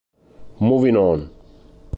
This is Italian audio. Moving On